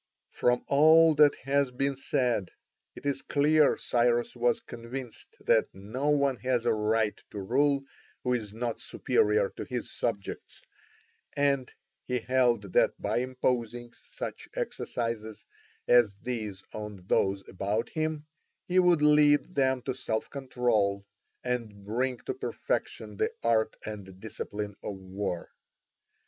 From all that has been said, it is clear Cyrus was convinced that no one has a right to rule who is not superior to his subjects, and he held that by imposing such exercises as these on those about him, he would lead them to self control and bring to perfection the art and discipline of war.